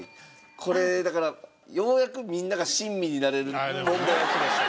これだからようやくみんなが親身になれる問題がきました。